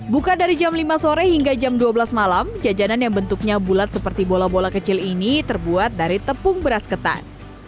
buka dari jam lima sore hingga jam dua belas malam jajanan yang bentuknya bulat seperti bola bola kecil ini terbuat dari tepung beras ketan